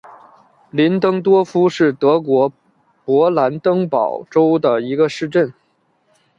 林登多夫是德国勃兰登堡州的一个市镇。